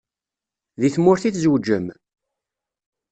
Deg tmurt i tzewǧem?